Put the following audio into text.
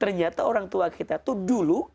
ternyata orang tua kita itu dulu